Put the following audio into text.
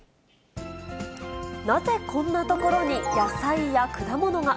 なぜ、こんな所に野菜や果物が。